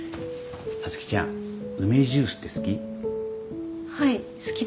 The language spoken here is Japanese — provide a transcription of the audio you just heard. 皐月ちゃん梅ジュースって好き？